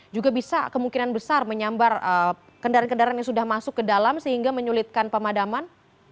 juga bisa kemungkinan besar menyambar kendaraan kendaraan yang sudah masuk ke dalam sehingga menyulitkan pemadaman